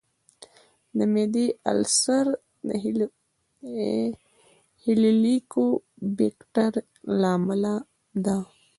د معدې السر د هیليکوبیکټر له امله دی.